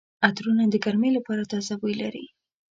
عطرونه د ګرمۍ لپاره تازه بوی لري.